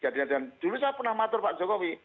dan dulu saya pernah matur pak jokowi